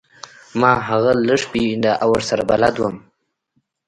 ما هغه لږ پیژنده او ورسره بلد وم